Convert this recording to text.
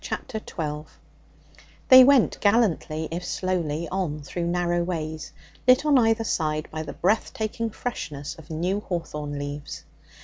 Chapter 12 They went gallantly, if slowly, on through narrow ways, lit on either side by the breath taking freshness of new hawthorn leaves.